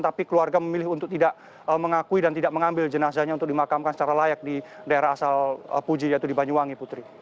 tapi keluarga memilih untuk tidak mengakui dan tidak mengambil jenazahnya untuk dimakamkan secara layak di daerah asal puji yaitu di banyuwangi putri